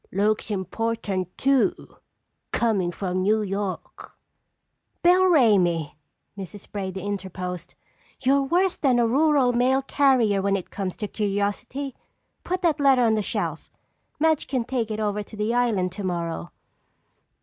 Looks important too, comin' from New York." "Bill Ramey!" Mrs. Brady interposed. "You're worse than a rural mail carrier when it comes to curiosity! Put that letter on the shelf. Madge can take it over to the island tomorrow."